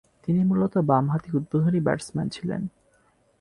তিনি মূলতঃ বামহাতি উদ্বোধনী ব্যাটসম্যান ছিলেন।